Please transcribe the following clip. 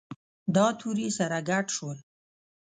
دا توري سره ګډ شول.